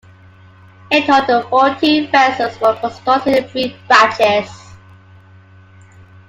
In total fourteen vessels were constructed in three batches.